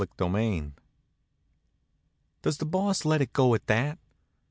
CHAPTER IV Does the Boss let it go at that?